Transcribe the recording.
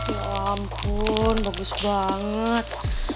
ya ampun bagus banget